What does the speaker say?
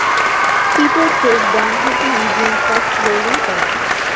Peter Chase ডানহাতি medium fast bowling করেন।